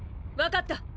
わかった！